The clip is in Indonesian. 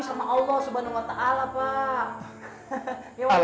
sama allah swt pak